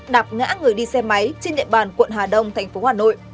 đạp ngã người đi xe máy trên địa bàn quận hà đông tp hà nội